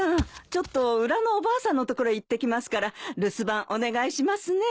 ちょっと裏のおばあさんのところへ行ってきますから留守番お願いしますね。